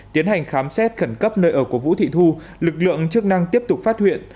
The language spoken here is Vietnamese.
tiến hành khám xét khẩn cấp nơi ở của vũ thị thu lực lượng chức năng tiếp tục phát hiện